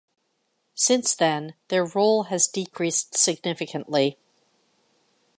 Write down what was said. Since then their role has decreased significantly.